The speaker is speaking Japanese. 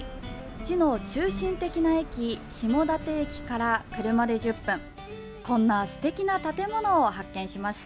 市の中心的な駅・下館駅から車で１０分こんな素敵な建物を発見しました。